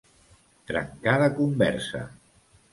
Trencar de conversa.